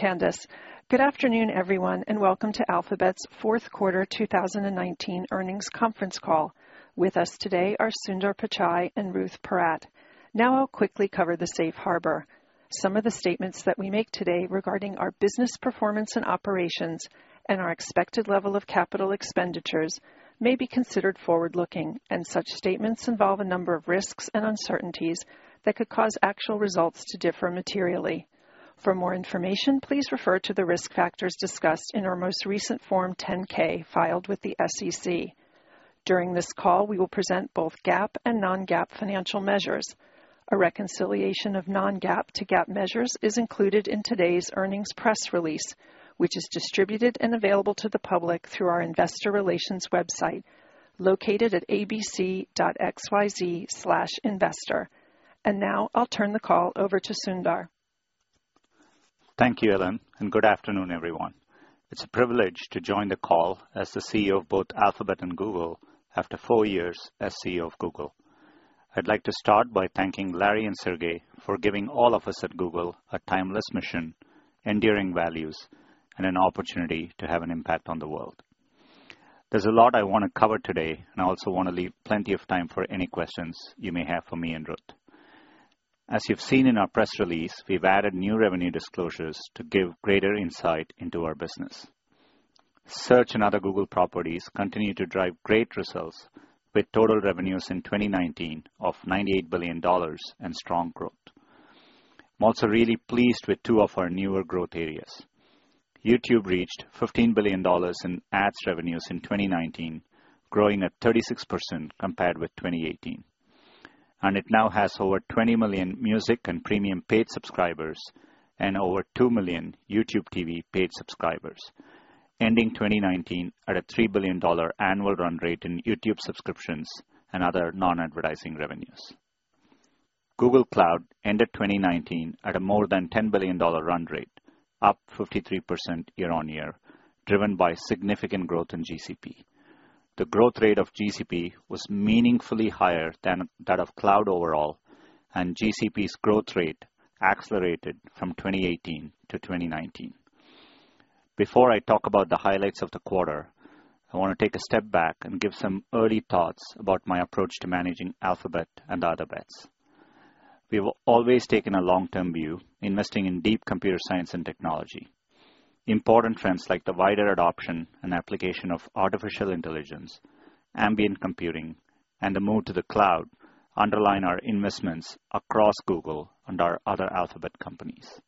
Candace. Good afternoon, everyone, and welcome to Alphabet's Fourth Quarter 2019 Earnings Conference Call. With us today are Sundar Pichai and Ruth Porat. Now I'll quickly over the Safe Harbor. Some of the statements that we make today regarding our business performance and operations and our expected level of capital expenditures may be considered forward-looking, and such statements involve a number of risks and uncertainties that could cause actual results to differ materially. For more information, please refer to the risk factors discussed in our most recent Form 10-K filed with the SEC. During this call, we will present both GAAP and non-GAAP financial measures. A reconciliation of non-GAAP to GAAP measures is included in today's earnings press release, which is distributed and available to the public through our investor relations website located at abc.xyz/investor. And now I'll turn the call over to Sundar. Thank you, Ellen, and good afternoon, everyone. It's a privilege to join the call as the CEO of both Alphabet and Google after four years as CEO of Google. I'd like to start by thanking Larry and Sergey for giving all of us at Google a timeless mission, enduring values, and an opportunity to have an impact on the world. There's a lot I want to cover today, and I also want to leave plenty of time for any questions you may have for me and Ruth. As you've seen in our press release, we've added new revenue disclosures to give greater insight into our business. Search and other Google properties continue to drive great results, with total revenues in 2019 of $98 billion and strong growth. I'm also really pleased with two of our newer growth areas. YouTube reached $15 billion in ad revenues in 2019, growing at 36% compared with 2018. And it now has over 20 million music and premium paid subscribers and over two million YouTube TV paid subscribers, ending 2019 at a $3 billion annual run rate in YouTube subscriptions and other non-advertising revenues. Google Cloud ended 2019 at a more than $10 billion run rate, up 53% year on year, driven by significant growth in GCP. The growth rate of GCP was meaningfully higher than that of Cloud overall, and GCP's growth rate accelerated from 2018 to 2019. Before I talk about the highlights of the quarter, I want to take a step back and give some early thoughts about my approach to managing Alphabet and Other Bets. We've always taken a long-term view, investing in deep computer science and technology. Important trends like the wider adoption and application of artificial intelligence, ambient computing, and the move to the Cloud underline our investments across Google and our other Alphabet companies.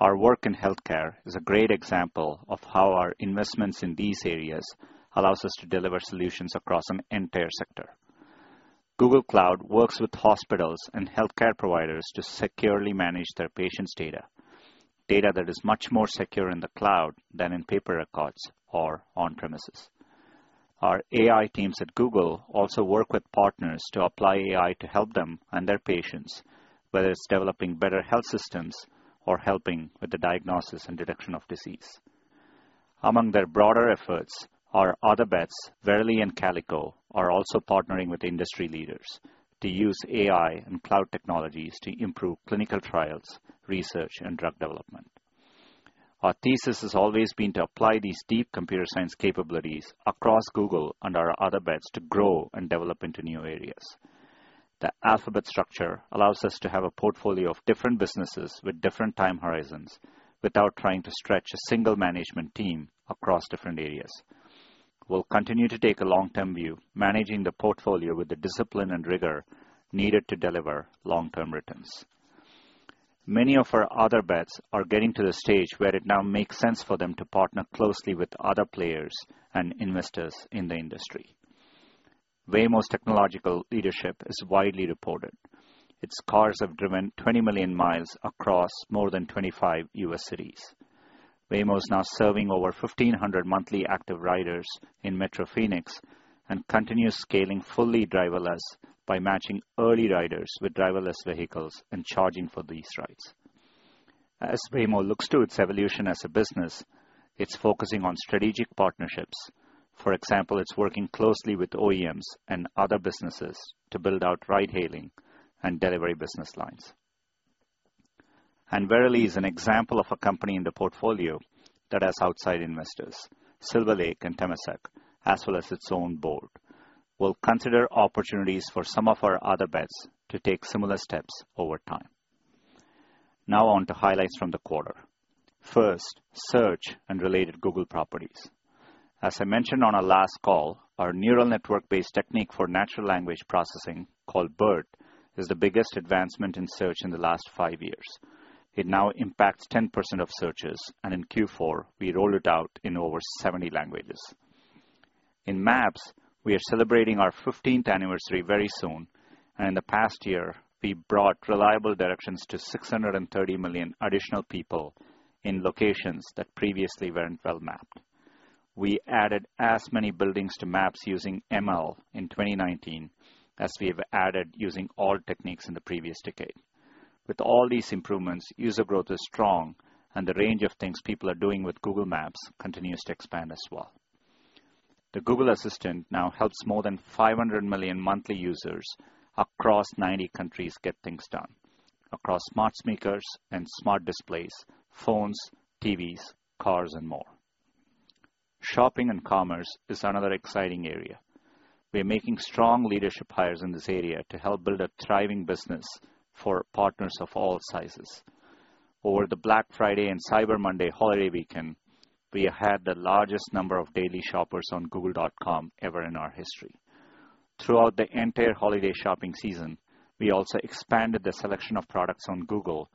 Our work in healthcare is a great example of how our investments in these areas allow us to deliver solutions across an entire sector. Google Cloud works with hospitals and healthcare providers to securely manage their patients' data, data that is much more secure in the Cloud than in paper records or on-premises. Our AI teams at Google also work with partners to apply AI to help them and their patients, whether it's developing better health systems or helping with the diagnosis and detection of disease. Among their broader efforts are Other Bets, Verily and Calico, who are also partnering with industry leaders to use AI and Cloud technologies to improve clinical trials, research, and drug development. Our thesis has always been to apply these deep computer science capabilities across Google and our other bets to grow and develop into new areas. The Alphabet structure allows us to have a portfolio of different businesses with different time horizons without trying to stretch a single management team across different areas. We'll continue to take a long-term view, managing the portfolio with the discipline and rigor needed to deliver long-term returns. Many of our other bets are getting to the stage where it now makes sense for them to partner closely with other players and investors in the industry. Waymo's technological leadership is widely reported. Its cars have driven 20 million miles across more than 25 U.S. cities. Waymo is now serving over 1,500 monthly active riders in Metro Phoenix and continues scaling fully driverless by matching early riders with driverless vehicles and charging for these rides. As Waymo looks to its evolution as a business, it's focusing on strategic partnerships. For example, it's working closely with OEMs and other businesses to build out ride-hailing and delivery business lines. And Verily is an example of a company in the portfolio that has outside investors, Silver Lake and Temasek, as well as its own board. We'll consider opportunities for some of our Other Bets to take similar steps over time. Now on to highlights from the quarter. First, Search and related Google properties. As I mentioned on our last call, our neural network-based technique for natural language processing called BERT is the biggest advancement in Search in the last five years. It now impacts 10% of searches, and in Q4, we rolled it out in over 70 languages. In Maps, we are celebrating our 15th anniversary very soon, and in the past year, we brought reliable directions to 630 million additional people in locations that previously weren't well mapped. We added as many buildings to Maps using ML in 2019 as we have added using all techniques in the previous decade. With all these improvements, user growth is strong, and the range of things people are doing with Google Maps continues to expand as well. The Google Assistant now helps more than 500 million monthly users across 90 countries get things done, across smart speakers and smart displays, phones, TVs, cars, and more. Shopping and Commerce is another exciting area. We're making strong leadership hires in this area to help build a thriving business for partners of all sizes. Over the Black Friday and Cyber Monday holiday weekend, we had the largest number of daily shoppers on Google.com ever in our history. Throughout the entire holiday shopping season, we also expanded the selection of products on Google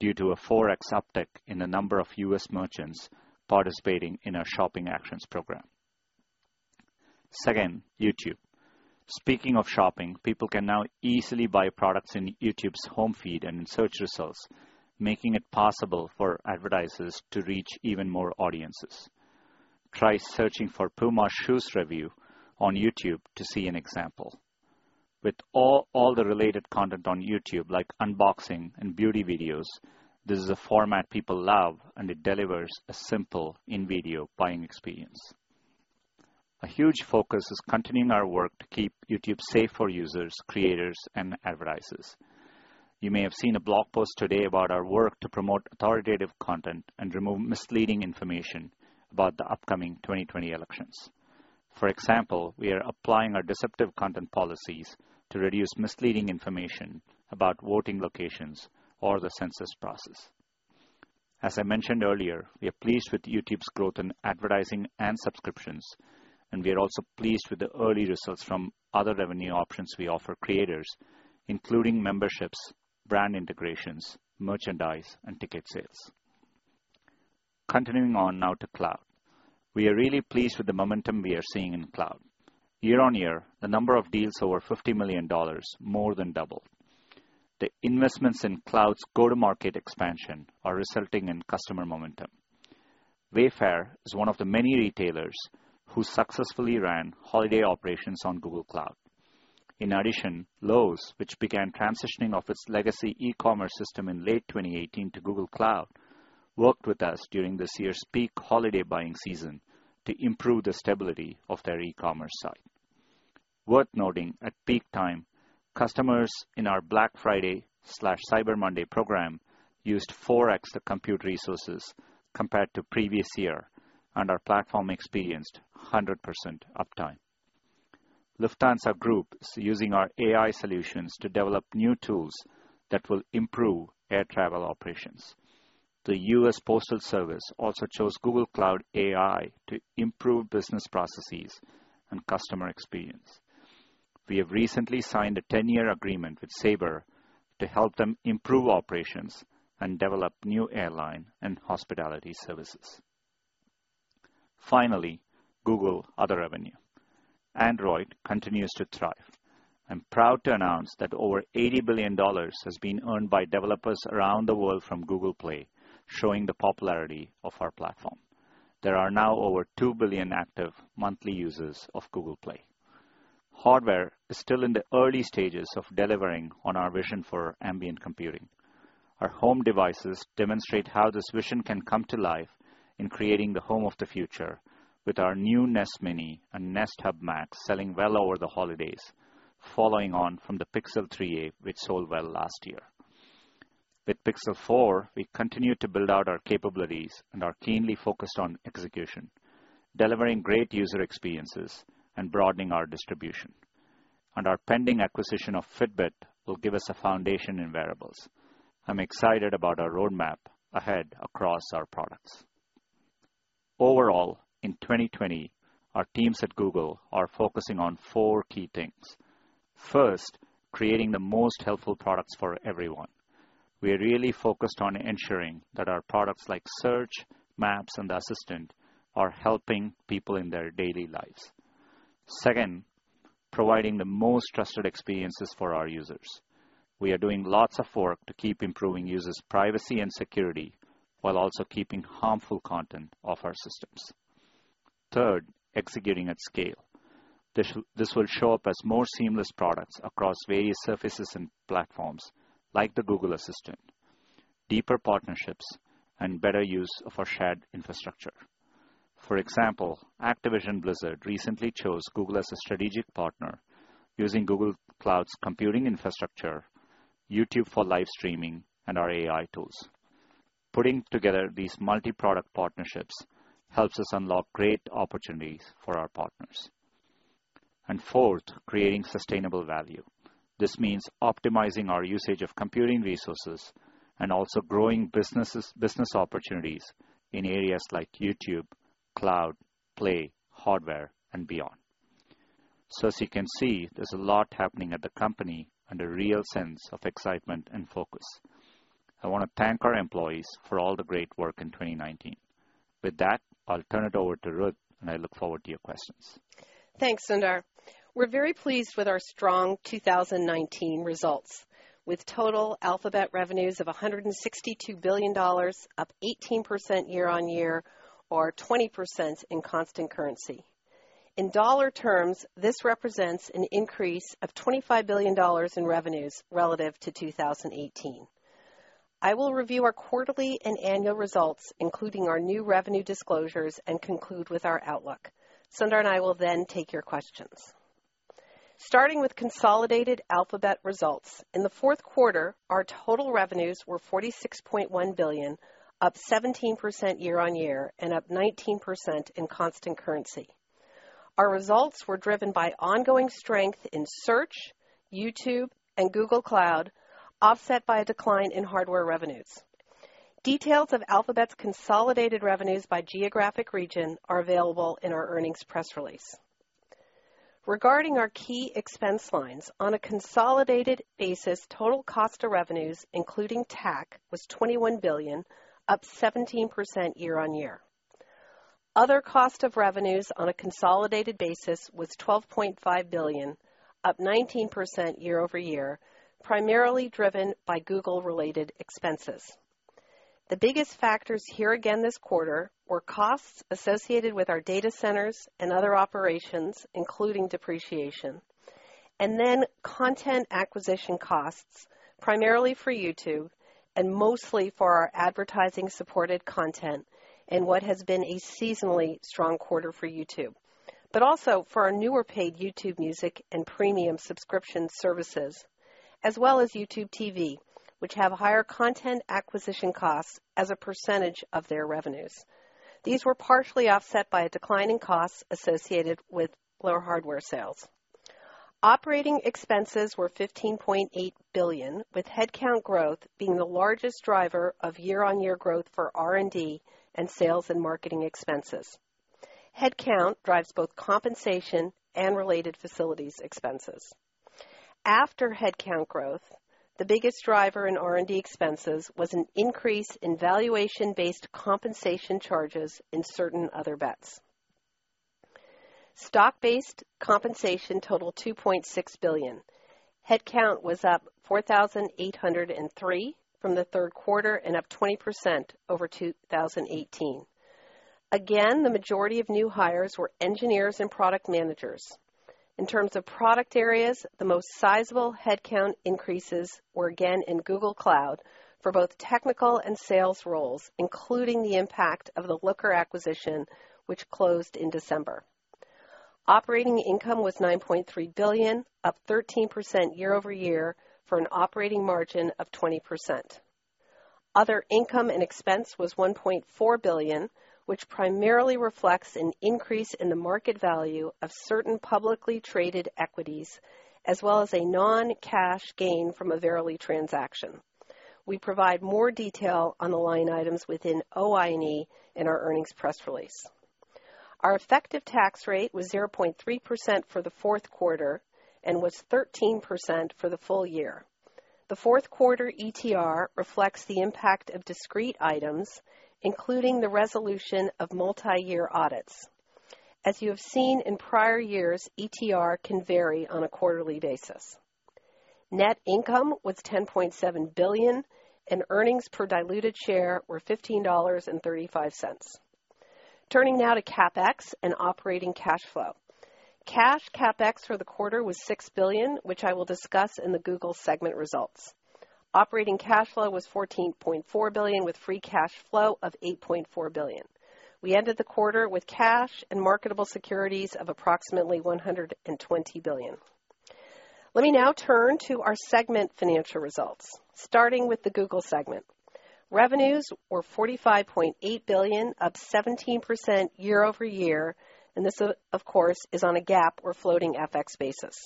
due to a 4X uptick in the number of U.S. merchants participating in our Shopping Actions program. Second, YouTube. Speaking of shopping, people can now easily buy products in YouTube's home feed and in search results, making it possible for advertisers to reach even more audiences. Try searching for Puma shoes review on YouTube to see an example. With all the related content on YouTube, like unboxing and beauty videos, this is a format people love, and it delivers a simple in-video buying experience. A huge focus is continuing our work to keep YouTube safe for users, creators, and advertisers. You may have seen a blog post today about our work to promote authoritative content and remove misleading information about the upcoming 2020 elections. For example, we are applying our deceptive content policies to reduce misleading information about voting locations or the census process. As I mentioned earlier, we are pleased with YouTube's growth in advertising and subscriptions, and we are also pleased with the early results from other revenue options we offer creators, including memberships, brand integrations, merchandise, and ticket sales. Continuing on now to Cloud, we are really pleased with the momentum we are seeing in Cloud. Year on year, the number of deals over $50 million more than doubled. The investments in Cloud's go-to-market expansion are resulting in customer momentum. Wayfair is one of the many retailers who successfully ran holiday operations on Google Cloud. In addition, Lowe's, which began transitioning off its legacy e-commerce system in late 2018 to Google Cloud, worked with us during this year's peak holiday buying season to improve the stability of their e-commerce site. Worth noting, at peak time, customers in our Black Friday/Cyber Monday program used 4X the compute resources compared to previous year, and our platform experienced 100% uptime. Lufthansa Group is using our AI solutions to develop new tools that will improve air travel operations. The U.S. Postal Service also chose Google Cloud AI to improve business processes and customer experience. We have recently signed a 10-year agreement with Sabre to help them improve operations and develop new airline and hospitality services. Finally, Google other revenue. Android continues to thrive. I'm proud to announce that over $80 billion has been earned by developers around the world from Google Play, showing the popularity of our platform. There are now over 2 billion active monthly users of Google Play. Hardware is still in the early stages of delivering on our vision for ambient computing. Our home devices demonstrate how this vision can come to life in creating the home of the future, with our new Nest Mini and Nest Hub Max selling well over the holidays, following on from the Pixel 3a, which sold well last year. With Pixel 4, we continue to build out our capabilities and are keenly focused on execution, delivering great user experiences and broadening our distribution. And our pending acquisition of Fitbit will give us a foundation in wearables. I'm excited about our roadmap ahead across our products. Overall, in 2020, our teams at Google are focusing on four key things. First, creating the most helpful products for everyone. We are really focused on ensuring that our products like Search, Maps, and the Assistant are helping people in their daily lives. Second, providing the most trusted experiences for our users. We are doing lots of work to keep improving users' privacy and security while also keeping harmful content off our systems. Third, executing at scale. This will show up as more seamless products across various surfaces and platforms like the Google Assistant, deeper partnerships, and better use of our shared infrastructure. For example, Activision Blizzard recently chose Google as a strategic partner using Google Cloud's computing infrastructure, YouTube for live streaming, and our AI tools. Putting together these multi-product partnerships helps us unlock great opportunities for our partners. And fourth, creating sustainable value. This means optimizing our usage of computing resources and also growing business opportunities in areas like YouTube, Cloud, Play, Hardware, and beyond. As you can see, there's a lot happening at the company and a real sense of excitement and focus. I want to thank our employees for all the great work in 2019. With that, I'll turn it over to Ruth, and I look forward to your questions. Thanks, Sundar. We're very pleased with our strong 2019 results, with total Alphabet revenues of $162 billion, up 18% year on year, or 20% in constant currency. In dollar terms, this represents an increase of $25 billion in revenues relative to 2018. I will review our quarterly and annual results, including our new revenue disclosures, and conclude with our outlook. Sundar and I will then take your questions. Starting with consolidated Alphabet results, in the fourth quarter, our total revenues were $46.1 billion, up 17% year on year, and up 19% in constant currency. Our results were driven by ongoing strength in Search, YouTube, and Google Cloud, offset by a decline in Hardware revenues. Details of Alphabet's consolidated revenues by geographic region are available in our earnings press release. Regarding our key expense lines, on a consolidated basis, total costs of revenues, including TAC, was $21 billion, up 17% year on year. Other costs of revenues on a consolidated basis was $12.5 billion, up 19% year over year, primarily driven by Google-related expenses. The biggest factors here again this quarter were costs associated with our data centers and other operations, including depreciation, and then content acquisition costs, primarily for YouTube and mostly for our advertising-supported content in what has been a seasonally strong quarter for YouTube, but also for our newer paid YouTube Music and premium subscription services, as well as YouTube TV, which have higher content acquisition costs as a percentage of their revenues. These were partially offset by a decline in costs associated with lower Hardware sales. Operating expenses were $15.8 billion, with headcount growth being the largest driver of year-on-year growth for R&D and sales and marketing expenses. Headcount drives both compensation and related facilities expenses. After headcount growth, the biggest driver in R&D expenses was an increase in valuation-based compensation charges in certain Other Bets. Stock-based compensation totaled $2.6 billion. Headcount was up 4,803 from the third quarter and up 20% over 2018. Again, the majority of new hires were engineers and product managers. In terms of product areas, the most sizable headcount increases were again in Google Cloud for both technical and sales roles, including the impact of the Looker acquisition, which closed in December. Operating income was $9.3 billion, up 13% year over year for an operating margin of 20%. Other income and expense was $1.4 billion, which primarily reflects an increase in the market value of certain publicly traded equities, as well as a non-cash gain from a Verily transaction. We provide more detail on the line items within OI&E in our earnings press release. Our effective tax rate was 0.3% for the fourth quarter and was 13% for the full year. The fourth quarter ETR reflects the impact of discrete items, including the resolution of multi-year audits. As you have seen in prior years, ETR can vary on a quarterly basis. Net income was $10.7 billion, and earnings per diluted share were $15.35. Turning now to CapEx and operating cash flow. Cash CapEx for the quarter was $6 billion, which I will discuss in the Google segment results. Operating cash flow was $14.4 billion, with free cash flow of $8.4 billion. We ended the quarter with cash and marketable securities of approximately $120 billion. Let me now turn to our segment financial results, starting with the Google segment. Revenues were $45.8 billion, up 17% year over year, and this, of course, is on a GAAP or floating FX basis.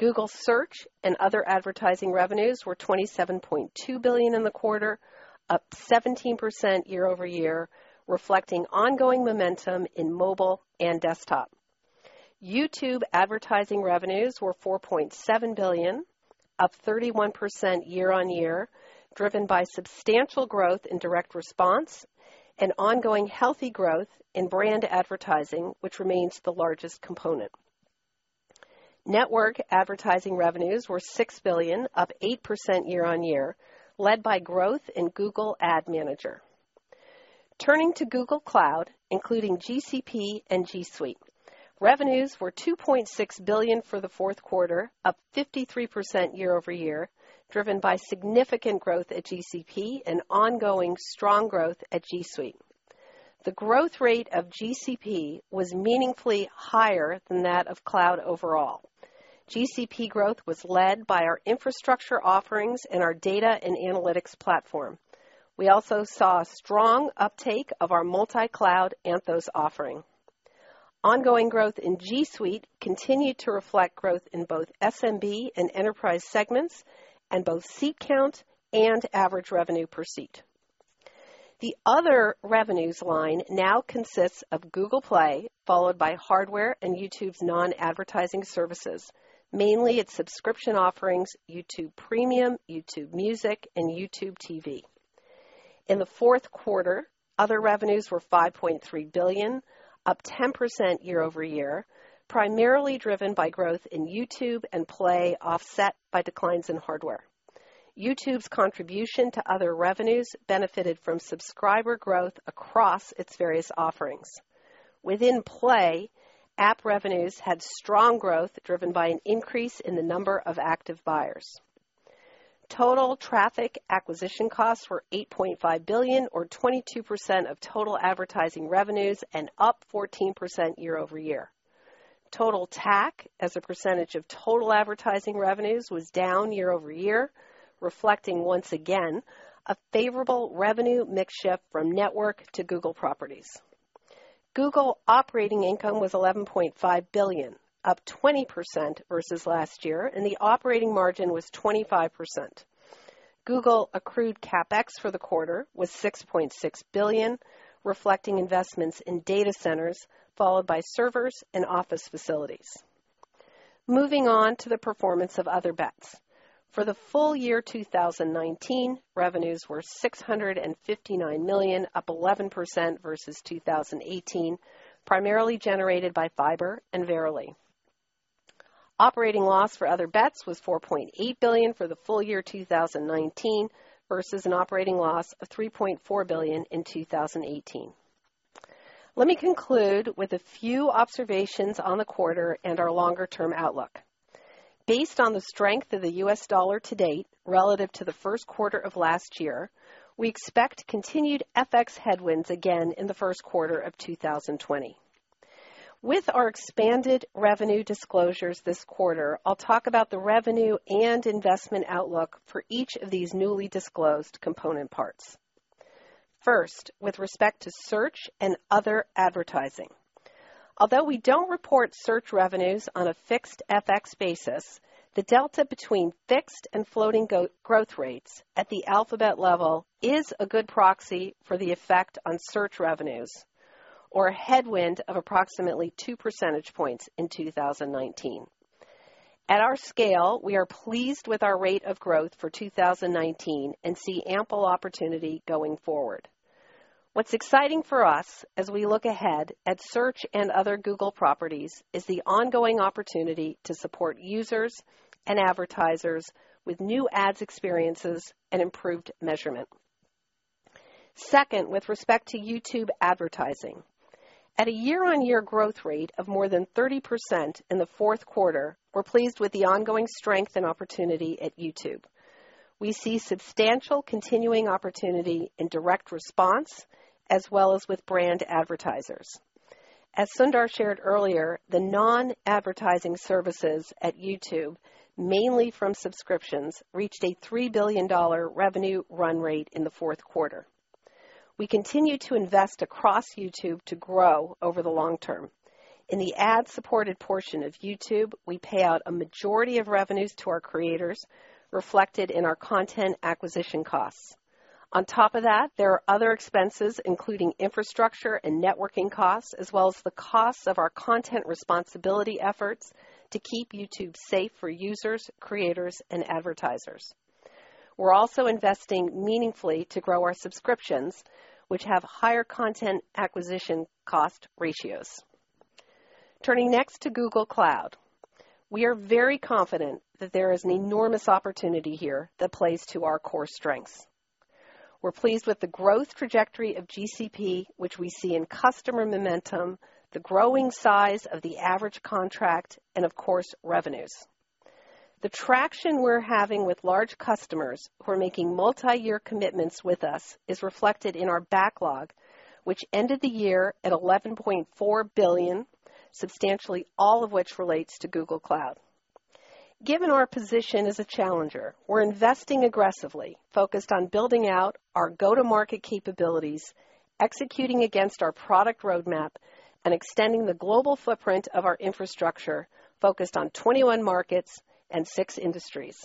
Google Search and other advertising revenues were $27.2 billion in the quarter, up 17% year over year, reflecting ongoing momentum in mobile and desktop. YouTube advertising revenues were $4.7 billion, up 31% year on year, driven by substantial growth in direct response and ongoing healthy growth in brand advertising, which remains the largest component. Network advertising revenues were $6 billion, up 8% year on year, led by growth in Google Ad Manager. Turning to Google Cloud, including GCP and G Suite, revenues were $2.6 billion for the fourth quarter, up 53% year over year, driven by significant growth at GCP and ongoing strong growth at G Suite. The growth rate of GCP was meaningfully higher than that of Cloud overall. GCP growth was led by our infrastructure offerings and our data and analytics platform. We also saw a strong uptake of our multi-Cloud Anthos offering. Ongoing growth in G Suite continued to reflect growth in both SMB and enterprise segments and both seat count and average revenue per seat. The other revenues line now consists of Google Play, followed by Hardware and YouTube's non-advertising services, mainly its subscription offerings, YouTube Premium, YouTube Music, and YouTube TV. In the fourth quarter, other revenues were $5.3 billion, up 10% year over year, primarily driven by growth in YouTube and Play offset by declines in Hardware. YouTube's contribution to other revenues benefited from subscriber growth across its various offerings. Within Play, app revenues had strong growth driven by an increase in the number of active buyers. Total traffic acquisition costs were $8.5 billion, or 22% of total advertising revenues, and up 14% year over year. Total TAC, as a percentage of total advertising revenues, was down year over year, reflecting once again a favorable revenue mix shift from network to Google properties. Google operating income was $11.5 billion, up 20% versus last year, and the operating margin was 25%. Google accrued CapEx for the quarter with $6.6 billion, reflecting investments in data centers, followed by servers and office facilities. Moving on to the performance of Other Bets. For the full year 2019, revenues were $659 million, up 11% versus 2018, primarily generated by Fiber and Verily. Operating loss for Other Bets was $4.8 billion for the full year 2019 versus an operating loss of $3.4 billion in 2018. Let me conclude with a few observations on the quarter and our longer-term outlook. Based on the strength of the U.S. dollar to date relative to the first quarter of last year, we expect continued FX headwinds again in the first quarter of 2020. With our expanded revenue disclosures this quarter, I'll talk about the revenue and investment outlook for each of these newly disclosed component parts. First, with respect to Search and other advertising. Although we don't report Search revenues on a fixed FX basis, the delta between fixed and floating growth rates at the Alphabet level is a good proxy for the effect on Search revenues, or a headwind of approximately 2 percentage points in 2019. At our scale, we are pleased with our rate of growth for 2019 and see ample opportunity going forward. What's exciting for us as we look ahead at Search and other Google properties is the ongoing opportunity to support users and advertisers with new ads experiences and improved measurement. Second, with respect to YouTube advertising. At a year-on-year growth rate of more than 30% in the fourth quarter, we're pleased with the ongoing strength and opportunity at YouTube. We see substantial continuing opportunity in direct response, as well as with brand advertisers. As Sundar shared earlier, the non-advertising services at YouTube, mainly from subscriptions, reached a $3 billion revenue run rate in the fourth quarter. We continue to invest across YouTube to grow over the long term. In the ad-supported portion of YouTube, we pay out a majority of revenues to our creators, reflected in our content acquisition costs. On top of that, there are other expenses, including infrastructure and networking costs, as well as the cost of our content responsibility efforts to keep YouTube safe for users, creators, and advertisers. We're also investing meaningfully to grow our subscriptions, which have higher content acquisition cost ratios. Turning next to Google Cloud, we are very confident that there is an enormous opportunity here that plays to our core strengths. We're pleased with the growth trajectory of GCP, which we see in customer momentum, the growing size of the average contract, and, of course, revenues. The traction we're having with large customers who are making multi-year commitments with us is reflected in our backlog, which ended the year at $11.4 billion, substantially all of which relates to Google Cloud. Given our position as a challenger, we're investing aggressively, focused on building out our go-to-market capabilities, executing against our product roadmap, and extending the global footprint of our infrastructure, focused on 21 markets and six industries.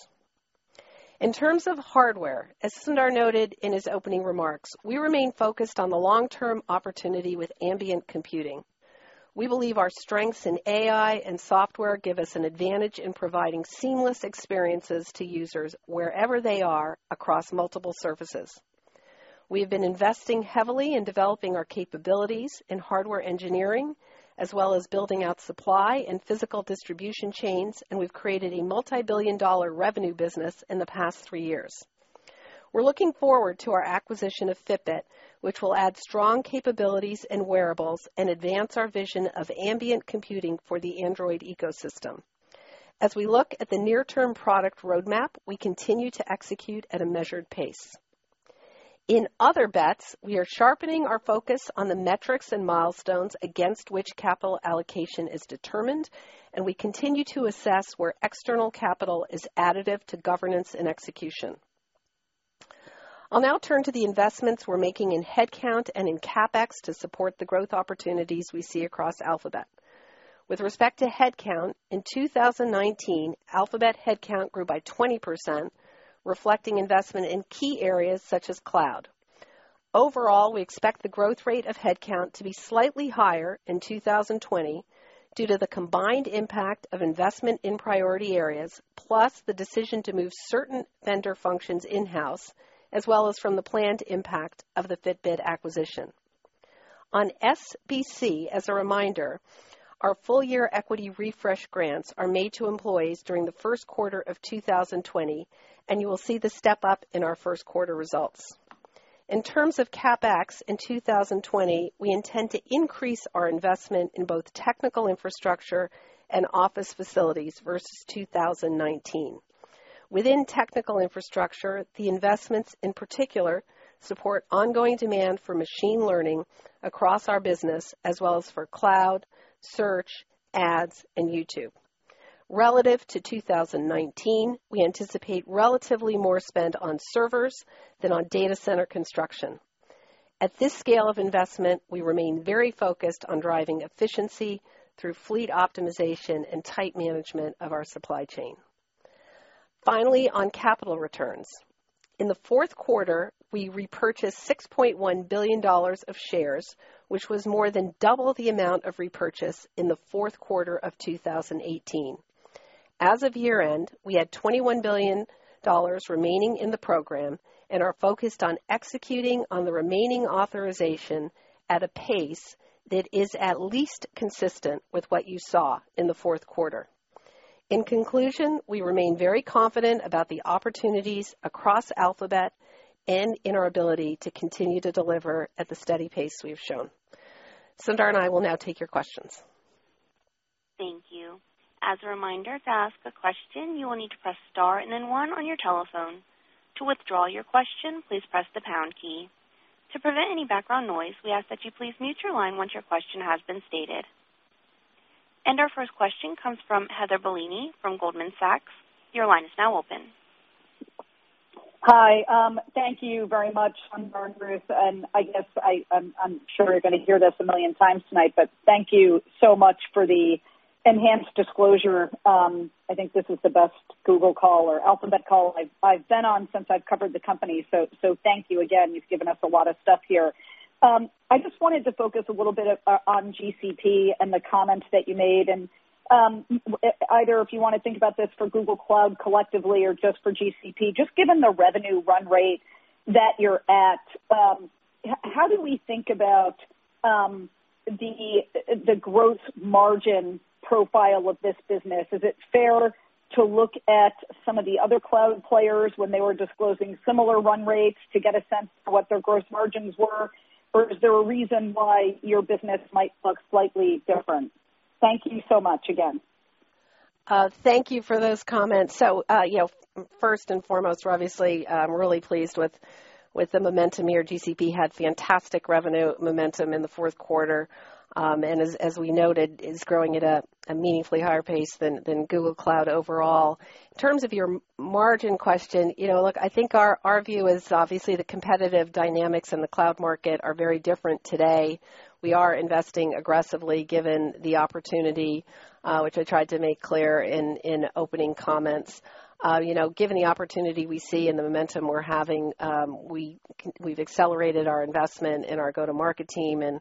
In terms of Hardware, as Sundar noted in his opening remarks, we remain focused on the long-term opportunity with ambient computing. We believe our strengths in AI and software give us an advantage in providing seamless experiences to users wherever they are, across multiple services. We have been investing heavily in developing our capabilities in Hardware engineering, as well as building out supply and physical distribution chains, and we've created a multi-billion dollar revenue business in the past three years. We're looking forward to our acquisition of Fitbit, which will add strong capabilities and wearables and advance our vision of ambient computing for the Android ecosystem. As we look at the near-term product roadmap, we continue to execute at a measured pace. In Other Bets, we are sharpening our focus on the metrics and milestones against which capital allocation is determined, and we continue to assess where external capital is additive to governance and execution. I'll now turn to the investments we're making in headcount and in CapEx to support the growth opportunities we see across Alphabet. With respect to headcount, in 2019, Alphabet headcount grew by 20%, reflecting investment in key areas such as Cloud. Overall, we expect the growth rate of headcount to be slightly higher in 2020 due to the combined impact of investment in priority areas, plus the decision to move certain vendor functions in-house, as well as from the planned impact of the Fitbit acquisition. On SBC, as a reminder, our full-year equity refresh grants are made to employees during the first quarter of 2020, and you will see the step-up in our first quarter results. In terms of CapEx in 2020, we intend to increase our investment in both technical infrastructure and office facilities versus 2019. Within technical infrastructure, the investments, in particular, support ongoing demand for machine learning across our business, as well as for Cloud, Search, Ads, and YouTube. Relative to 2019, we anticipate relatively more spend on servers than on data center construction. At this scale of investment, we remain very focused on driving efficiency through fleet optimization and tight management of our supply chain. Finally, on capital returns. In the fourth quarter, we repurchased $6.1 billion of shares, which was more than double the amount of repurchase in the fourth quarter of 2018. As of year-end, we had $21 billion remaining in the program and are focused on executing on the remaining authorization at a pace that is at least consistent with what you saw in the fourth quarter. In conclusion, we remain very confident about the opportunities across Alphabet and in our ability to continue to deliver at the steady pace we've shown. Sundar and I will now take your questions. Thank you. As a reminder, to ask a question, you will need to press star and then one on your telephone. To withdraw your question, please press the pound key. To prevent any background noise, we ask that you please mute your line once your question has been stated. Our first question comes from Heather Bellini from Goldman Sachs. Your line is now open. Hi. Thank you very much, Sundar Pichai. And I guess I'm sure you're going to hear this a million times tonight, but thank you so much for the enhanced disclosure. I think this is the best Google call or Alphabet call I've been on since I've covered the company. So thank you again. You've given us a lot of stuff here. I just wanted to focus a little bit on GCP and the comments that you made. And either if you want to think about this for Google Cloud collectively or just for GCP, just given the revenue run rate that you're at, how do we think about the growth margin profile of this business? Is it fair to look at some of the other Cloud players when they were disclosing similar run rates to get a sense of what their gross margins were? Or is there a reason why your business might look slightly different? Thank you so much again. Thank you for those comments. So first and foremost, we're obviously really pleased with the momentum here. GCP had fantastic revenue momentum in the fourth quarter. And as we noted, it's growing at a meaningfully higher pace than Google Cloud overall. In terms of your margin question, look, I think our view is obviously the competitive dynamics in the Cloud market are very different today. We are investing aggressively given the opportunity, which I tried to make clear in opening comments. Given the opportunity we see and the momentum we're having, we've accelerated our investment in our go-to-market team. And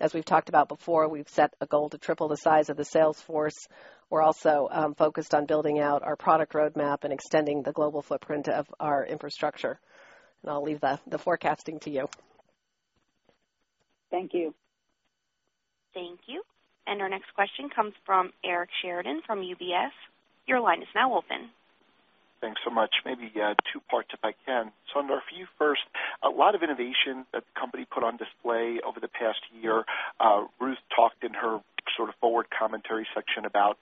as we've talked about before, we've set a goal to triple the size of the sales force. We're also focused on building out our product roadmap and extending the global footprint of our infrastructure. And I'll leave the forecasting to you. Thank you. Thank you. And our next question comes from Eric Sheridan from UBS. Your line is now open. Thanks so much. Maybe two parts if I can. Sundar, for you first. A lot of innovation that the company put on display over the past year. Ruth talked in her sort of forward commentary section about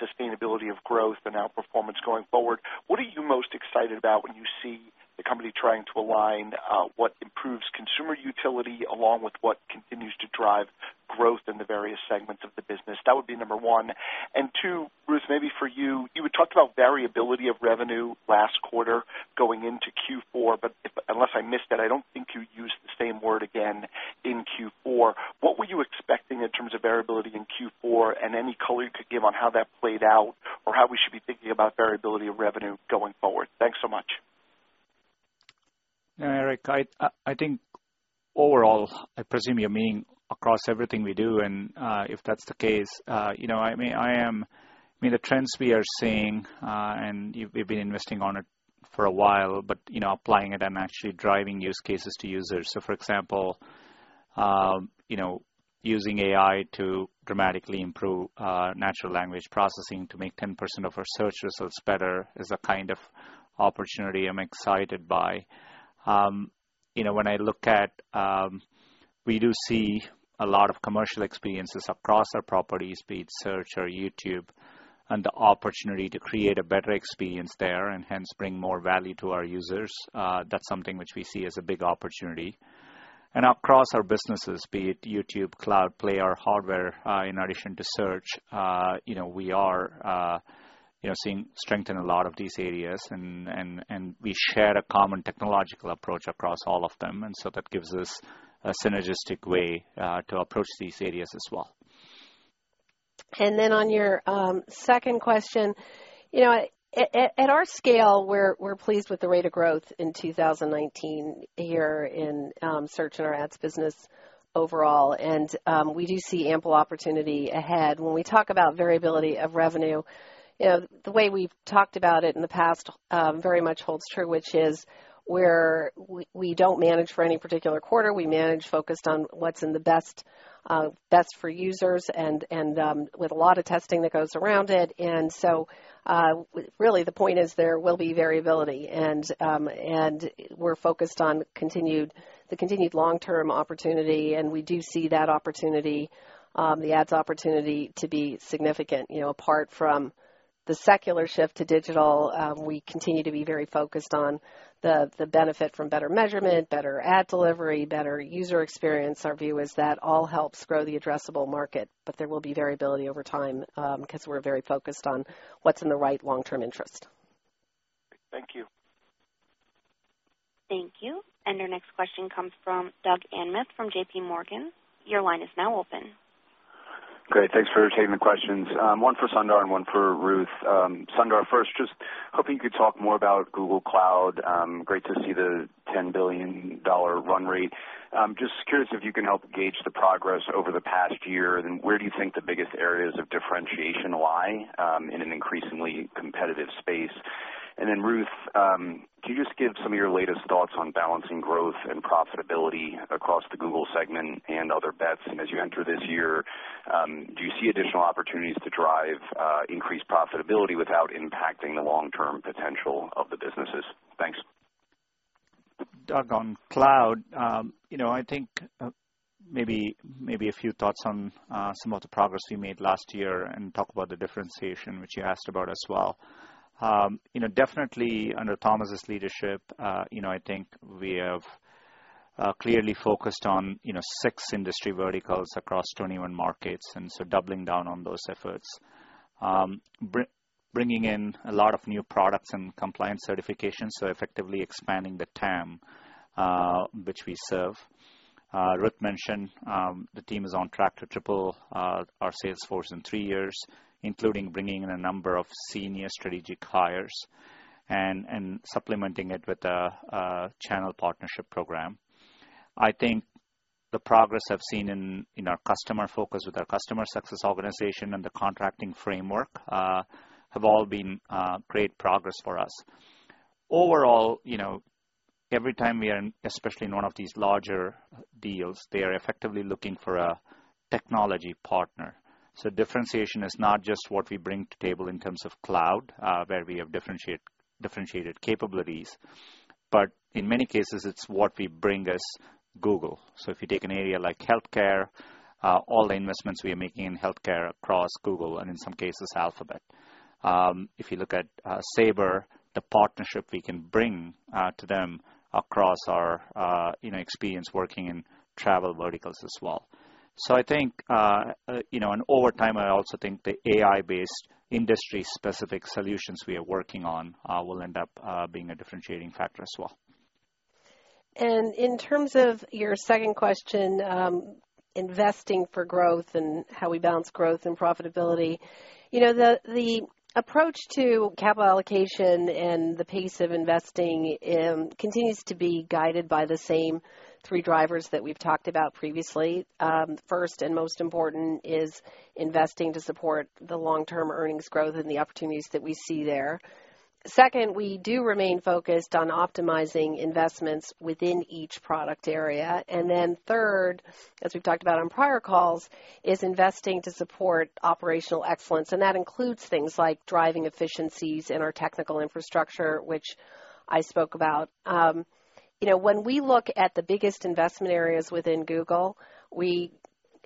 sustainability of growth and outperformance going forward. What are you most excited about when you see the company trying to align what improves consumer utility along with what continues to drive growth in the various segments of the business? That would be number one. And two, Ruth, maybe for you, you had talked about variability of revenue last quarter going into Q4, but unless I missed that, I don't think you used the same word again in Q4. What were you expecting in terms of variability in Q4 and any color you could give on how that played out or how we should be thinking about variability of revenue going forward? Thanks so much. Eric, I think overall, I presume you're meaning across everything we do. And if that's the case, I mean, the trends we are seeing, and we've been investing on it for a while, but applying it and actually driving use cases to users. So for example, using AI to dramatically improve natural language processing to make 10% of our Search results better is a kind of opportunity I'm excited by. When I look at, we do see a lot of commercial experiences across our properties, be it Search or YouTube, and the opportunity to create a better experience there and hence bring more value to our users. That's something which we see as a big opportunity. And across our businesses, be it YouTube, Cloud, Play, or Hardware, in addition to Search, we are seeing strength in a lot of these areas. And we share a common technological approach across all of them. And so that gives us a synergistic way to approach these areas as well. And then on your second question, at our scale, we're pleased with the rate of growth in 2019 here in Search and our ads business overall. And we do see ample opportunity ahead. When we talk about variability of revenue, the way we've talked about it in the past very much holds true, which is we don't manage for any particular quarter. We manage focused on what's best for users and with a lot of testing that goes around it. And so really, the point is there will be variability. And we're focused on the continued long-term opportunity. And we do see that opportunity, the ads opportunity to be significant. Apart from the secular shift to digital, we continue to be very focused on the benefit from better measurement, better ad delivery, better user experience. Our view is that all helps grow the addressable market. But there will be variability over time because we're very focused on what's in the right long-term interest. Thank you. Thank you. And our next question comes from Doug Anmuth from JP Morgan. Your line is now open. Great. Thanks for taking the questions. One for Sundar and one for Ruth. Sundar first, just hoping you could talk more about Google Cloud. Great to see the $10 billion run rate. Just curious if you can help gauge the progress over the past year. And where do you think the biggest areas of differentiation lie in an increasingly competitive space? And then Ruth, can you just give some of your latest thoughts on balancing growth and profitability across the Google segment and Other Bets? And as you enter this year, do you see additional opportunities to drive increased profitability without impacting the long-term potential of the businesses? Thanks. Doug, on Cloud, I think maybe a few thoughts on some of the progress we made last year and talk about the differentiation, which you asked about as well. Definitely, under Thomas's leadership, I think we have clearly focused on six industry verticals across 21 markets. And so doubling down on those efforts, bringing in a lot of new products and compliance certifications, so effectively expanding the TAM which we serve. Ruth mentioned the team is on track to triple our sales force in three years, including bringing in a number of senior strategic hires and supplementing it with a channel partnership program. I think the progress I've seen in our customer focus with our customer success organization and the contracting framework have all been great progress for us. Overall, every time we are in, especially in one of these larger deals, they are effectively looking for a technology partner. So differentiation is not just what we bring to table in terms of Cloud, where we have differentiated capabilities, but in many cases, it's what we bring as Google. So if you take an area like healthcare, all the investments we are making in healthcare across Google and in some cases Alphabet. If you look at Sabre, the partnership we can bring to them across our experience working in travel verticals as well, so I think over time, I also think the AI-based industry-specific solutions we are working on will end up being a differentiating factor as well. And in terms of your second question, investing for growth and how we balance growth and profitability, the approach to capital allocation and the pace of investing continues to be guided by the same three drivers that we've talked about previously. First and most important is investing to support the long-term earnings growth and the opportunities that we see there. Second, we do remain focused on optimizing investments within each product area. And then third, as we've talked about on prior calls, is investing to support operational excellence. And that includes things like driving efficiencies in our technical infrastructure, which I spoke about. When we look at the biggest investment areas within Google, we,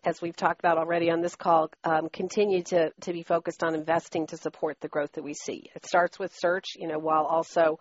as we've talked about already on this call, continue to be focused on investing to support the growth that we see. It starts with Search while also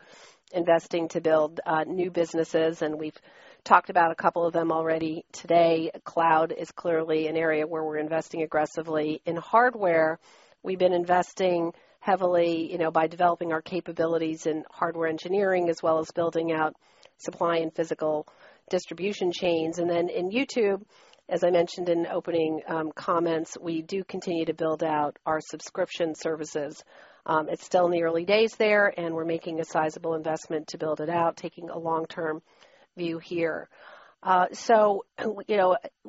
investing to build new businesses. We've talked about a couple of them already today. Cloud is clearly an area where we're investing aggressively. In Hardware, we've been investing heavily by developing our capabilities in Hardware engineering as well as building out supply and physical distribution chains. Then in YouTube, as I mentioned in opening comments, we do continue to build out our subscription services. It's still in the early days there, and we're making a sizable investment to build it out, taking a long-term view here.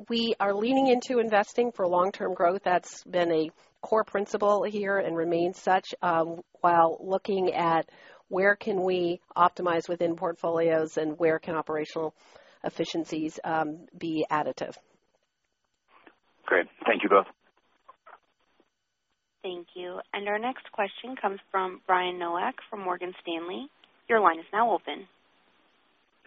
We are leaning into investing for long-term growth. That's been a core principle here and remains such while looking at where can we optimize within portfolios and where can operational efficiencies be additive. Great. Thank you both. Thank you. And our next question comes from Brian Nowak from Morgan Stanley. Your line is now open.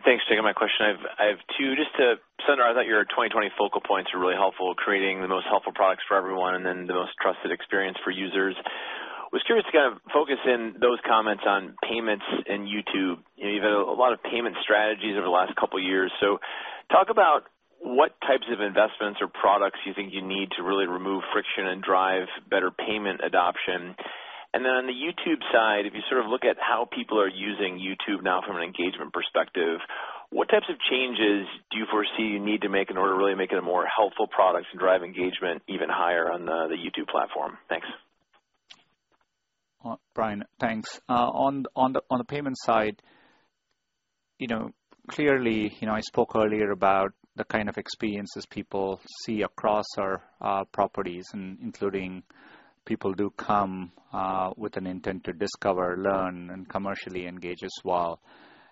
Thanks for taking my question. I have two. Just to Sundar, I thought your 2020 focal points were really helpful, creating the most helpful products for everyone and then the most trusted experience for users. I was curious to kind of focus in those comments on payments and YouTube. You've had a lot of payment strategies over the last couple of years. So talk about what types of investments or products you think you need to really remove friction and drive better payment adoption. And then on the YouTube side, if you sort of look at how people are using YouTube now from an engagement perspective, what types of changes do you foresee you need to make in order to really make it a more helpful product and drive engagement even higher on the YouTube platform? Thanks. Brian, thanks. On the payment side, clearly, I spoke earlier about the kind of experiences people see across our properties, including people who do come with an intent to discover, learn, and commercially engage as well.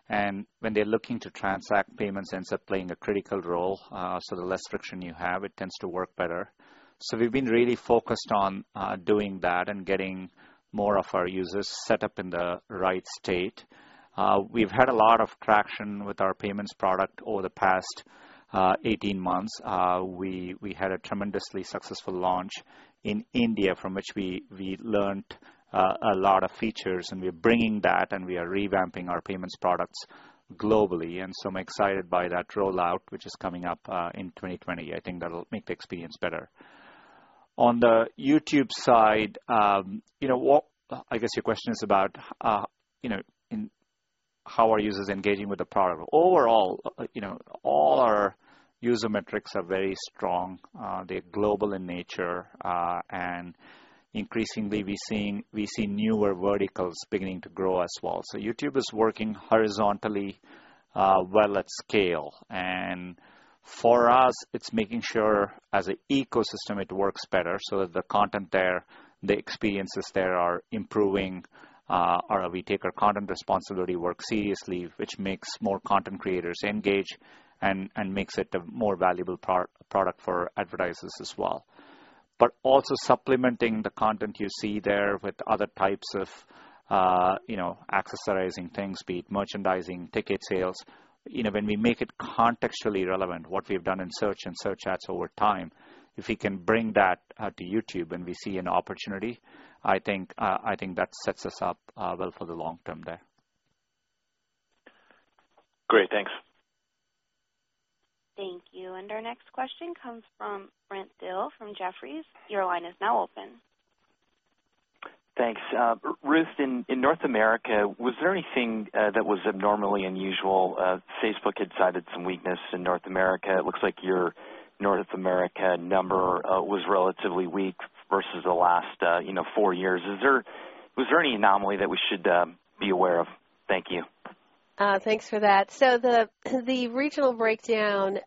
And when they're looking to transact payments, it ends up playing a critical role. So the less friction you have, it tends to work better. So we've been really focused on doing that and getting more of our users set up in the right state. We've had a lot of traction with our payments product over the past 18 months. We had a tremendously successful launch in India from which we learned a lot of features. And we're bringing that, and we are revamping our payments products globally. And so I'm excited by that rollout, which is coming up in 2020. I think that'll make the experience better. On the YouTube side, I guess your question is about how are users engaging with the product? Overall, all our user metrics are very strong. They're global in nature. And increasingly, we see newer verticals beginning to grow as well. So YouTube is working horizontally well at scale. And for us, it's making sure as an ecosystem it works better so that the content there, the experiences there are improving. We take our content responsibility work seriously, which makes more content creators engage and makes it a more valuable product for advertisers as well. But also supplementing the content you see there with other types of accessorizing things, be it merchandising, ticket sales. When we make it contextually relevant, what we've done in Search and Search ads over time, if we can bring that to YouTube and we see an opportunity, I think that sets us up well for the long term there. Great. Thanks. Thank you. And our next question comes from Brent Thill from Jefferies. Your line is now open. Thanks. Ruth, in North America, was there anything that was abnormally unusual? Facebook had cited some weakness in North America. It looks like your North America number was relatively weak versus the last four years. Was there any anomaly that we should be aware of? Thank you. Thanks for that. So the regional breakdown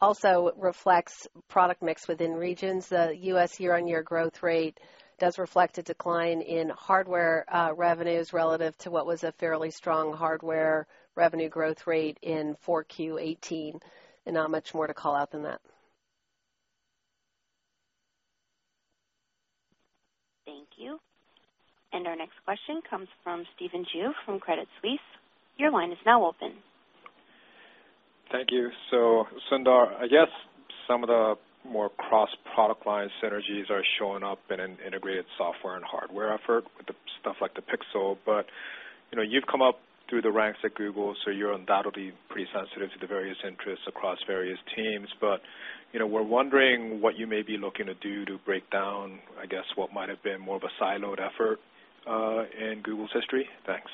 also reflects product mix within regions. The U.S. year-over-year growth rate does reflect a decline in Hardware revenues relative to what was a fairly strong Hardware revenue growth rate in 4Q18. And not much more to call out than that. Thank you. And our next question comes from Stephen Ju from Credit Suisse. Your line is now open. Thank you. So Sundar, I guess some of the more cross-product line synergies are showing up in an integrated software and hardware effort with stuff like the Pixel. But you've come up through the ranks at Google, so you're undoubtedly pretty sensitive to the various interests across various teams. But we're wondering what you may be looking to do to break down, I guess, what might have been more of a siloed effort in Google's history. Thanks.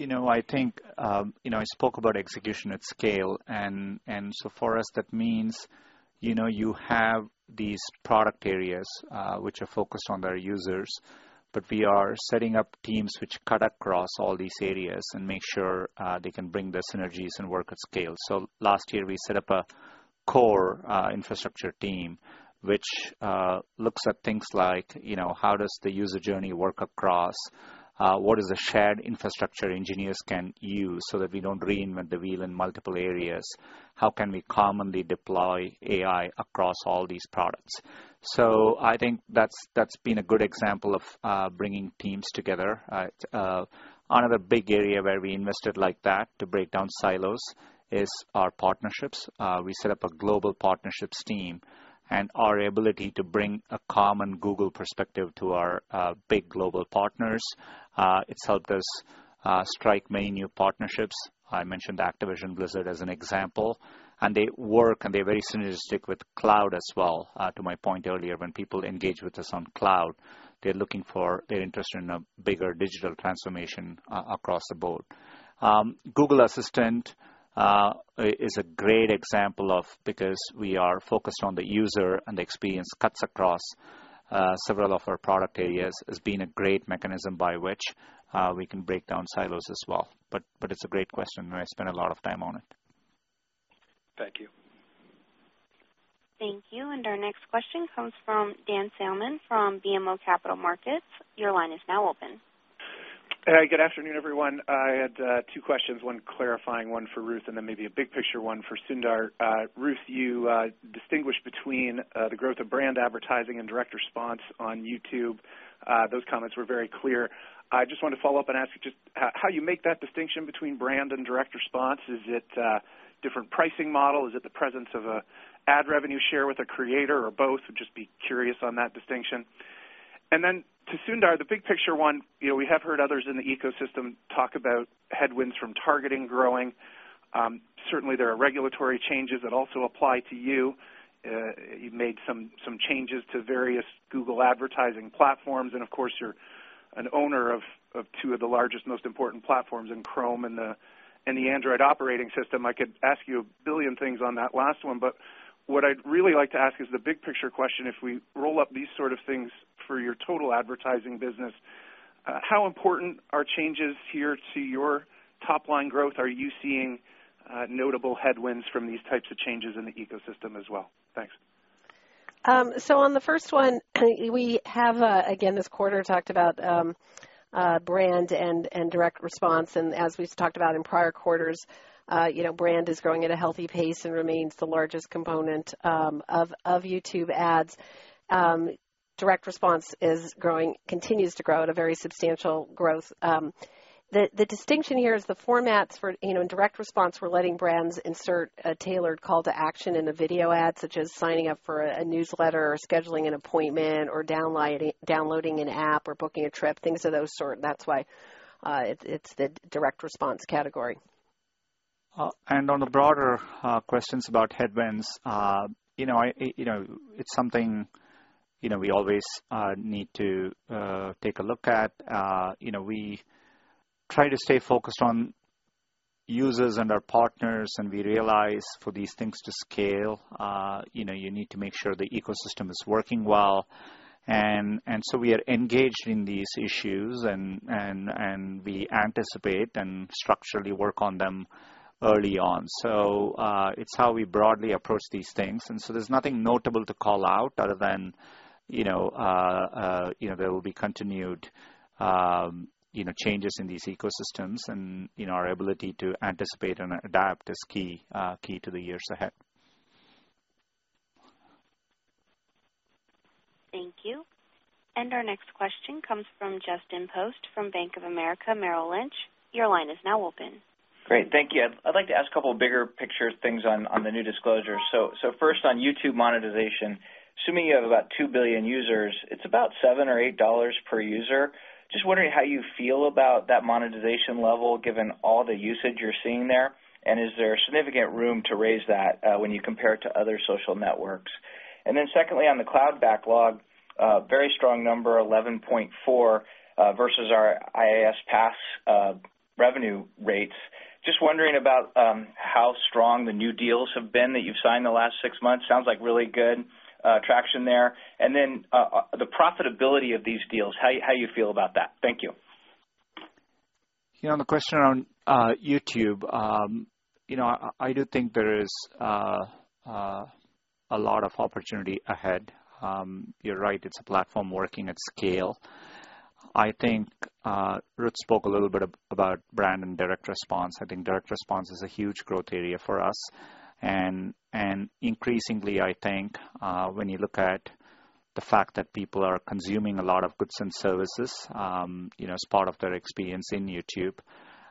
I think I spoke about execution at scale. And so for us, that means you have these product areas which are focused on their users. But we are setting up teams which cut across all these areas and make sure they can bring the synergies and work at scale. So last year, we set up a core infrastructure team which looks at things like how does the user journey work across? What is a shared infrastructure engineers can use so that we don't reinvent the wheel in multiple areas? How can we commonly deploy AI across all these products? So I think that's been a good example of bringing teams together. Another big area where we invested like that to break down silos is our partnerships. We set up a global partnerships team and our ability to bring a common Google perspective to our big global partners. It's helped us strike many new partnerships. I mentioned Activision Blizzard as an example. And they work, and they're very synergistic with Cloud as well. To my point earlier, when people engage with us on Cloud, they're interested in a bigger digital transformation across the board. Google Assistant is a great example, because we are focused on the user and the experience cuts across several of our product areas. It's been a great mechanism by which we can break down silos as well. But it's a great question, and I spent a lot of time on it. Thank you. Thank you. And our next question comes from Dan Salmon from BMO Capital Markets. Your line is now open. Hey, good afternoon, everyone. I had two questions, one clarifying, one for Ruth, and then maybe a big picture one for Sundar. Ruth, you distinguished between the growth of brand advertising and direct response on YouTube. Those comments were very clear. I just want to follow up and ask just how you make that distinction between brand and direct response. Is it a different pricing model? Is it the presence of an ad revenue share with a creator or both? I would just be curious on that distinction. Then to Sundar, the big picture one, we have heard others in the ecosystem talk about headwinds from targeting growing. Certainly, there are regulatory changes that also apply to you. You have made some changes to various Google advertising platforms. Of course, you are an owner of two of the largest, most important platforms in Chrome and the Android operating system. I could ask you a billion things on that last one. What I would really like to ask is the big picture question. If we roll up these sort of things for your total advertising business, how important are changes here to your top-line growth? Are you seeing notable headwinds from these types of changes in the ecosystem as well? Thanks. So on the first one, we have, again, this quarter talked about brand and direct response. And as we've talked about in prior quarters, brand is growing at a healthy pace and remains the largest component of YouTube ads. Direct response continues to grow at a very substantial growth. The distinction here is the formats for direct response. We're letting brands insert a tailored call to action in a video ad, such as signing up for a newsletter or scheduling an appointment or downloading an app or booking a trip, things of those sort. That's why it's the direct response category. On the broader questions about headwinds, it's something we always need to take a look at. We try to stay focused on users and our partners, and we realize for these things to scale, you need to make sure the ecosystem is working well. We are engaged in these issues, and we anticipate and structurally work on them early on. It's how we broadly approach these things. There's nothing notable to call out other than there will be continued changes in these ecosystems. Our ability to anticipate and adapt is key to the years ahead. Thank you. Our next question comes from Justin Post from Bank of America Merrill Lynch. Your line is now open. Great. Thank you. I'd like to ask a couple of bigger picture things on the new disclosure. First, on YouTube monetization, assuming you have about 2 billion users, it's about $7 or $8 per user. Just wondering how you feel about that monetization level given all the usage you're seeing there. And is there significant room to raise that when you compare it to other social networks? And then secondly, on the Cloud backlog, very strong number, 11.4 versus our LTM revenue rates. Just wondering about how strong the new deals have been that you've signed in the last six months. Sounds like really good traction there. And then the profitability of these deals, how you feel about that? Thank you. On the question around YouTube, I do think there is a lot of opportunity ahead. You're right. It's a platform working at scale. I think Ruth spoke a little bit about brand and direct response. I think direct response is a huge growth area for us. And increasingly, I think, when you look at the fact that people are consuming a lot of goods and services as part of their experience in YouTube,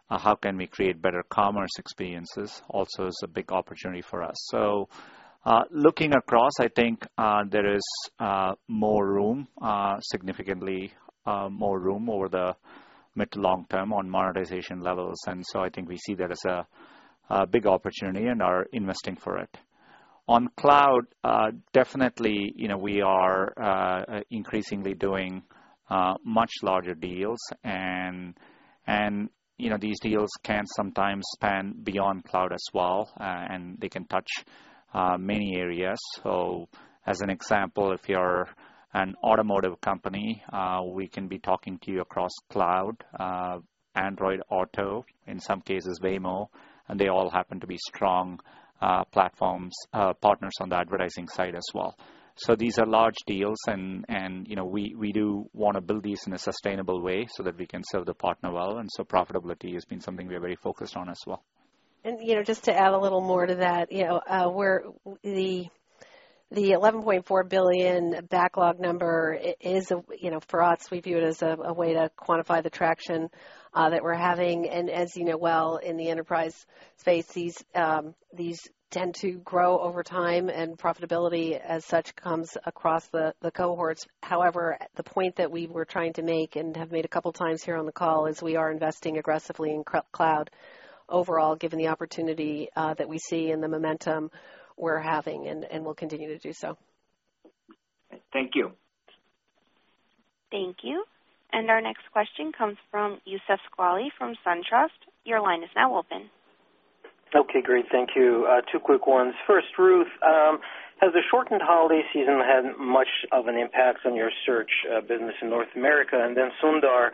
how can we create better commerce experiences also is a big opportunity for us. So looking across, I think there is more room, significantly more room over the mid to long term on monetization levels. And so I think we see that as a big opportunity and are investing for it. On Cloud, definitely, we are increasingly doing much larger deals. And these deals can sometimes span beyond Cloud as well, and they can touch many areas. So as an example, if you're an automotive company, we can be talking to you across Cloud, Android Auto, in some cases Waymo. They all happen to be strong platforms, partners on the advertising side as well. So these are large deals, and we do want to build these in a sustainable way so that we can serve the partner well. And so profitability has been something we are very focused on as well. And just to add a little more to that, the $11.4 billion backlog number is, for us, we view it as a way to quantify the traction that we're having. And as you know well, in the enterprise space, these tend to grow over time, and profitability as such comes across the cohorts. However, the point that we were trying to make and have made a couple of times here on the call is we are investing aggressively in Cloud overall, given the opportunity that we see and the momentum we're having, and we'll continue to do so. Thank you. Thank you. And our next question comes from Youssef Squali from SunTrust. Your line is now open. Okay. Great. Thank you. Two quick ones. First, Ruth, has the shortened holiday season had much of an impact on your Search business in North America? And then Sundar,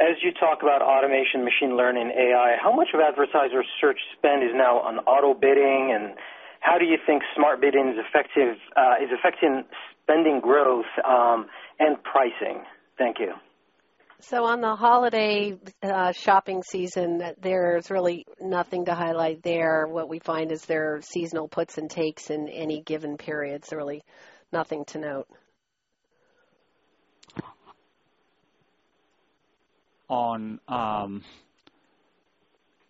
as you talk about automation, machine learning, AI, how much of advertiser Search spend is now on auto bidding? And how do you think Smart Bidding is affecting spending growth and pricing? Thank you. So on the holiday shopping season, there's really nothing to highlight there. What we find is there are seasonal puts and takes in any given period. So really nothing to note. I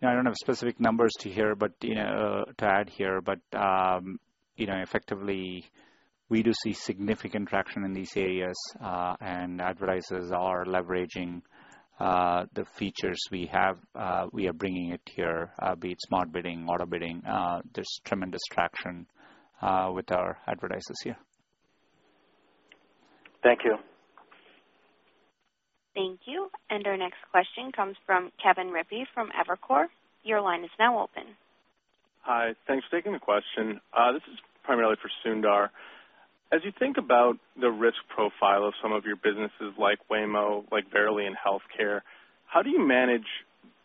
don't have specific numbers to add here, but effectively, we do see significant traction in these areas, and advertisers are leveraging the features we have. We are bringing it here, be it Smart Bidding, auto bidding. There's tremendous traction with our advertisers here. Thank you. Thank you. And our next question comes from Kevin Rippey from Evercore. Your line is now open. Hi. Thanks for taking the question. This is primarily for Sundar. As you think about the risk profile of some of your businesses like Waymo, like Verily, healthcare, how do you manage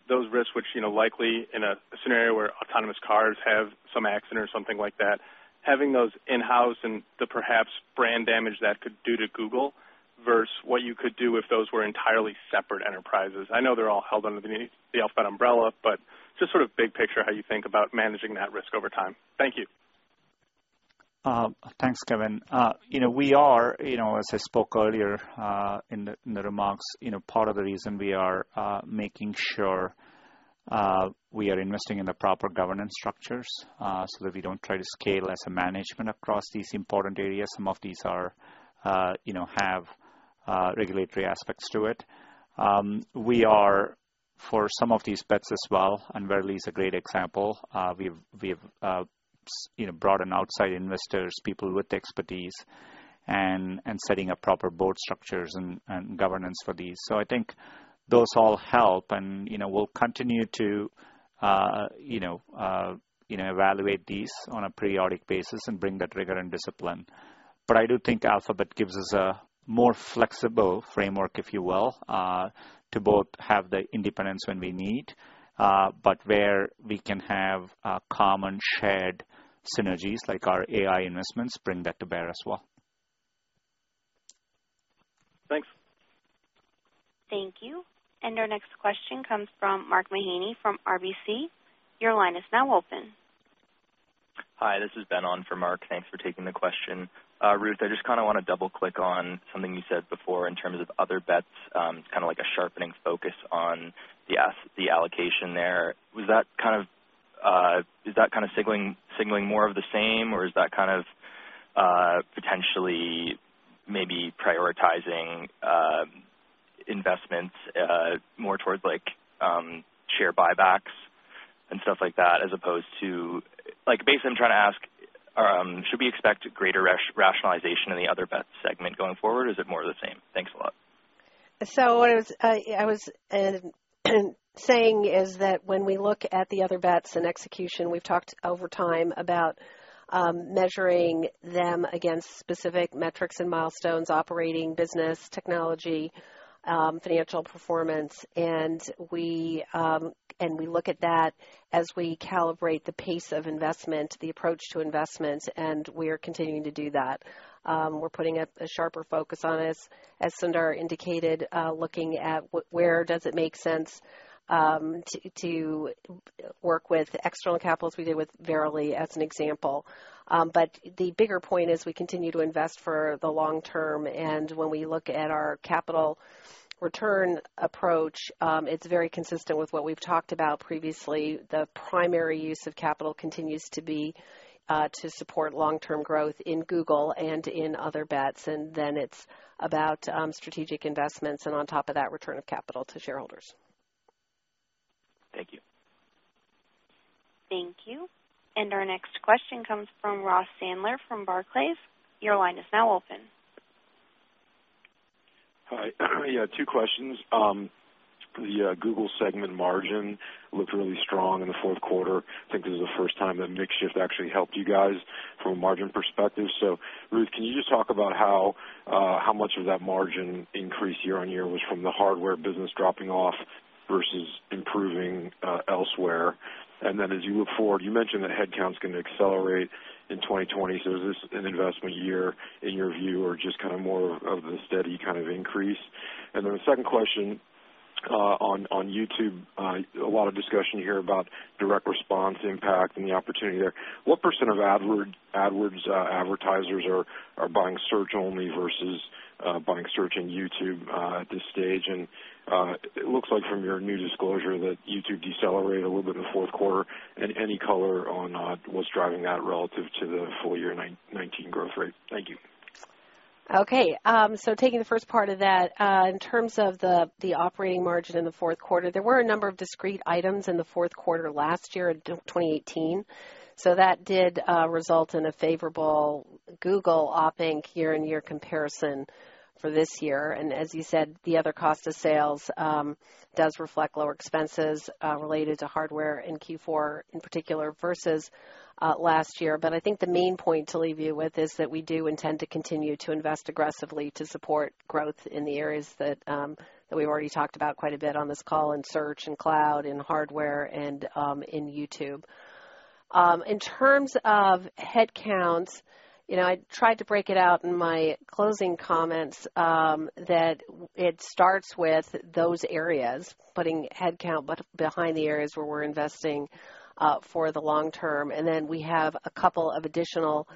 those risks which likely in a scenario where autonomous cars have some accident or something like that, having those in-house and the perhaps brand damage that could do to Google versus what you could do if those were entirely separate enterprises? I know they're all held under the Alphabet umbrella, but just sort of big picture how you think about managing that risk over time. Thank you. Thanks, Kevin. We are, as I spoke earlier in the remarks, part of the reason we are making sure we are investing in the proper governance structures so that we don't try to scale as a management across these important areas. Some of these have regulatory aspects to it. We are, for some of these bets as well, and Verily is a great example. We have brought in outside investors, people with expertise, and setting up proper board structures and governance for these. So I think those all help, and we'll continue to evaluate these on a periodic basis and bring that rigor and discipline. But I do think Alphabet gives us a more flexible framework, if you will, to both have the independence when we need, but where we can have common shared synergies like our AI investments bring that to bear as well. Thanks. Thank you. Our next question comes from Mark Mahaney from RBC. Your line is now open. Hi. This is Ben on for Mark. Thanks for taking the question. Ruth, I just kind of want to double-click on something you said before in terms of Other Bets, kind of like a sharpening focus on the allocation there. Is that kind of signaling more of the same, or is that kind of potentially maybe prioritizing investments more towards share buybacks and stuff like that as opposed to basically, I'm trying to ask, should we expect greater rationalization in the Other Bets segment going forward, or is it more of the same? Thanks a lot. What I was saying is that when we look at the Other Bets and execution, we've talked over time about measuring them against specific metrics and milestones: operating, business, technology, financial performance. We look at that as we calibrate the pace of investment, the approach to investment, and we are continuing to do that. We're putting a sharper focus on it, as Sundar indicated, looking at where does it make sense to work with external capitals? We did with Verily as an example. But the bigger point is we continue to invest for the long term. And when we look at our capital return approach, it's very consistent with what we've talked about previously. The primary use of capital continues to be to support long-term growth in Google and in Other Bets. And then it's about strategic investments and on top of that, return of capital to shareholders. Thank you. Thank you. And our next question comes from Ross Sandler from Barclays. Your line is now open. Hi. Yeah, two questions. The Google segment margin looked really strong in the fourth quarter. I think this is the first time that the shift actually helped you guys from a margin perspective. So Ruth, can you just talk about how much of that margin increase year on year was from the Hardware business dropping off versus improving elsewhere? And then as you look forward, you mentioned that headcount's going to accelerate in 2020. So is this an investment year in your view or just kind of more of the steady kind of increase? And then the second question on YouTube, a lot of discussion here about direct response impact and the opportunity there. What percent of AdWords advertisers are buying Search-only versus buying Search in YouTube at this stage? And it looks like from your new disclosure that YouTube decelerated a little bit in the fourth quarter. And any color on what's driving that relative to the full year 2019 growth rate? Thank you. Okay. So taking the first part of that, in terms of the operating margin in the fourth quarter, there were a number of discrete items in the fourth quarter last year in 2018. So that did result in a favorable Google OpEx year-on-year comparison for this year. And as you said, the other cost of sales does reflect lower expenses related to Hardware in Q4 in particular versus last year. But I think the main point to leave you with is that we do intend to continue to invest aggressively to support growth in the areas that we've already talked about quite a bit on this call in Search and Cloud and Hardware and in YouTube. In terms of headcounts, I tried to break it out in my closing comments that it starts with those areas, putting headcount behind the areas where we're investing for the long term. And then we have a couple of additional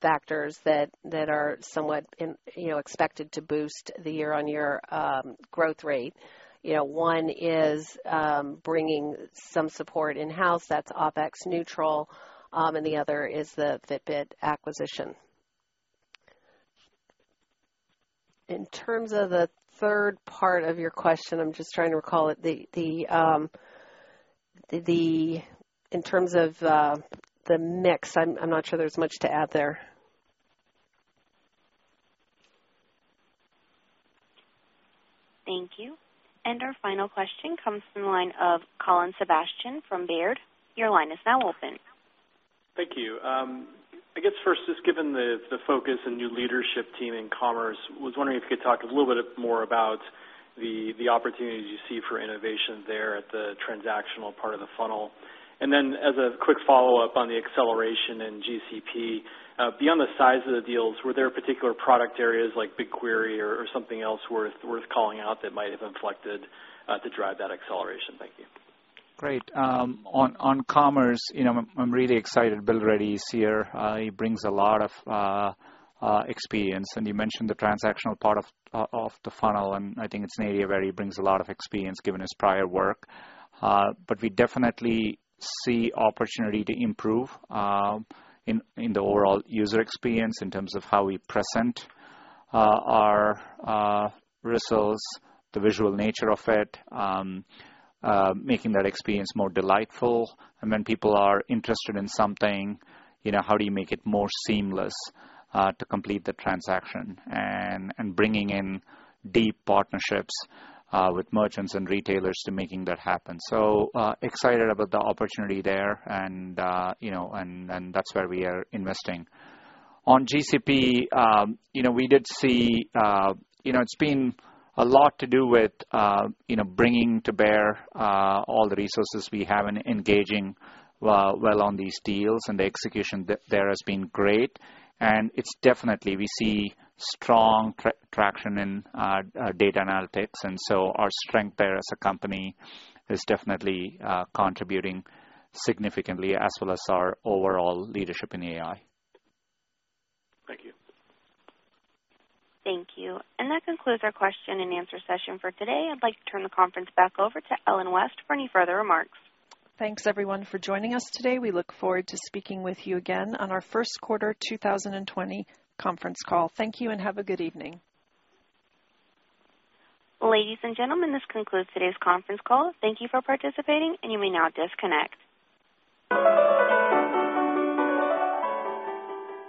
factors that are somewhat expected to boost the year-on-year growth rate. One is bringing some support in-house that's OpEx neutral, and the other is the Fitbit acquisition. In terms of the third part of your question, I'm just trying to recall it in terms of the mix. I'm not sure there's much to add there. Thank you. And our final question comes from the line of Colin Sebastian from Baird. Your line is now open. Thank you. I guess first, just given the focus and new leadership team in commerce, I was wondering if you could talk a little bit more about the opportunities you see for innovation there at the transactional part of the funnel. And then as a quick follow-up on the acceleration and GCP, beyond the size of the deals, were there particular product areas like BigQuery or something else worth calling out that might have inflected to drive that acceleration? Thank you. Great. On commerce, I'm really excited. Bill Ready is here. He brings a lot of experience. And you mentioned the transactional part of the funnel, and I think it's an area where he brings a lot of experience given his prior work. But we definitely see opportunity to improve in the overall user experience in terms of how we present our results, the visual nature of it, making that experience more delightful. And when people are interested in something, how do you make it more seamless to complete the transaction and bringing in deep partnerships with merchants and retailers to making that happen? So excited about the opportunity there, and that's where we are investing. On GCP, we did see it's been a lot to do with bringing to bear all the resources we have and engaging well on these deals, and the execution there has been great. And definitely, we see strong traction in data analytics. And so our strength there as a company is definitely contributing significantly, as well as our overall leadership in AI. Thank you. Thank you. And that concludes our question and answer session for today. I'd like to turn the conference back over to Ellen West for any further remarks. Thanks, everyone, for joining us today. We look forward to speaking with you again on our first quarter 2020 conference call. Thank you, and have a good evening. Ladies and gentlemen, this concludes today's conference call. Thank you for participating, and you may now disconnect.